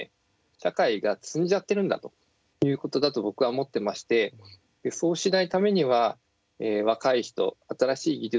社会が摘んじゃってるんだということだと僕は思ってましてそうしないためには若い人、新しい技術